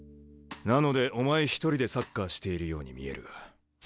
なのでお前一人でサッカーしているように見える。